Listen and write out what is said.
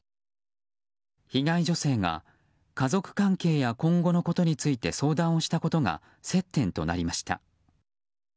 被害女性が家族関係や今後のことについて相談をしたことが接点となりました。